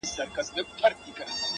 اوس به څوك رنګونه تش كي په قلم كي-